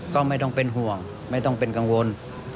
ก็ไม่ต้องเป็นห่วงไม่ต้องเป็นกังวล